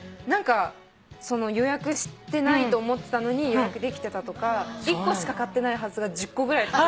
何か予約してないと思ってたのに予約できてたとか１個しか買ってないはずが１０個ぐらい。